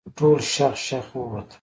ټول شغ شغ ووتل.